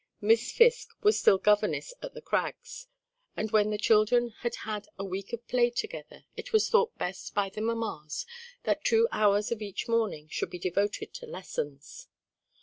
Miss Fisk was still governess at the Crags, and when the children had had a week of play together, it was thought best by the mammas, that two hours of each morning should be devoted to lessons.